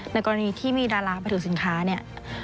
กรณีที่มีดาราไปถือสินค้าเนี่ย